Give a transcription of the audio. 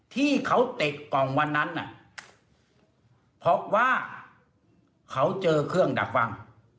ที่เขาเตะกล่องวันนั้นน่ะเพราะว่าเขาเจอเครื่องดักฟัง